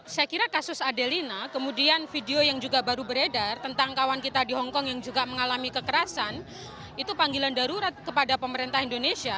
saya kira kasus adelina kemudian video yang juga baru beredar tentang kawan kita di hongkong yang juga mengalami kekerasan